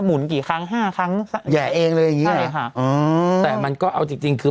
หุ่นกี่ครั้งห้าครั้งแห่เองเลยอย่างงี้ใช่ค่ะอ๋อแต่มันก็เอาจริงจริงคือ